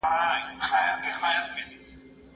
سم نیت غوسه نه خپروي.